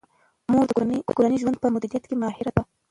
مور د کورني ژوند په مدیریت کې ماهر ده.